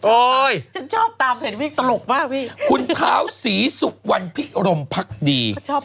โอ้ยฉันชอบตามเพจเพจตลกมากพี่คุณท้าวศรีศุกร์วันพิโรมพักดี